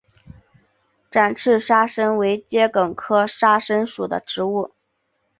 展枝沙参为桔梗科沙参属的植物。